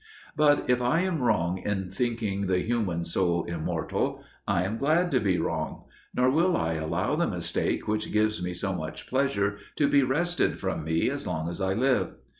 But if I am wrong in thinking the human soul immortal, I am glad to be wrong; nor will I allow the mistake which gives me so much pleasure to be wrested from me as long as I live.